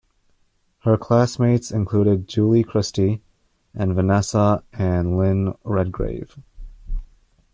Her classmates included Julie Christie and Vanessa and Lynn Redgrave.